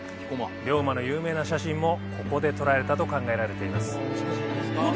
龍馬の有名な写真もここで撮られたと考えられています